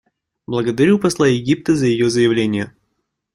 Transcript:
Благодарю посла Египта за ее заявление.